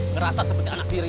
ngerasa seperti anak diri